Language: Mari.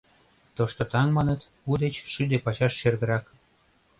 Тошто таҥ, маныт, у деч шӱдӧ пачаш шергырак.